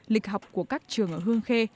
lịch học của các trường ở hương khê